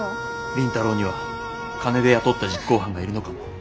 倫太郎には金で雇った実行犯がいるのかも。